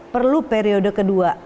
perlu periode kedua